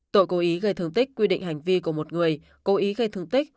tội cố ý gây thương tích quy định hành vi của một người cố ý gây thương tích